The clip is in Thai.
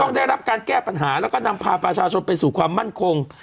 ได้รับการแก้ปัญหาแล้วก็นำพาประชาชนไปสู่ความมั่นคง